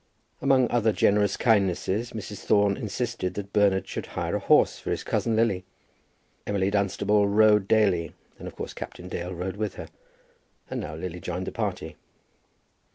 Among other generous kindnesses Mrs. Thorne insisted that Bernard should hire a horse for his cousin Lily. Emily Dunstable rode daily, and of course Captain Dale rode with her; and now Lily joined the party.